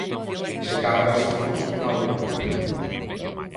Se cadra, esta foto ten algo que ver.